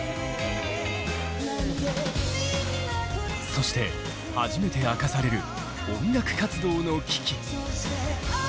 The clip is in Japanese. そして初めて明かされる音楽活動の危機。